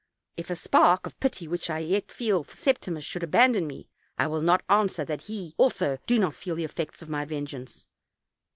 If a spark of pity which I yet feel for Septimus should abandon me, I will not answer that he also do not feel the effects of my vengeance.